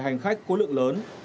hành khách có lượng lớn